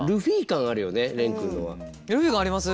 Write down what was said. ルフィ感あります？